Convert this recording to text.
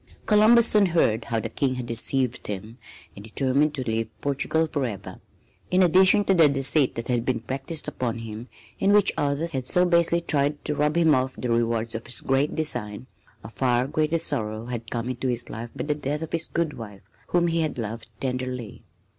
Columbus soon heard how the King had deceived him and determined to leave Portugal forever. In addition to the deceit that had been practised upon him in which others had so basely tried to rob him of the rewards of his great design, a far greater sorrow had come into his life by the death of his good wife, whom he had loved tenderly.